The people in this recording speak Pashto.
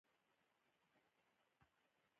د علامه رشاد لیکنی هنر مهم دی ځکه چې شعري ټولګې لري.